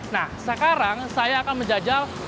nah sekarang saya akan menjajal